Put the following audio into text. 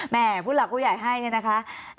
แม่ผู้หลักกูอยากให้เนี่ยนะคะ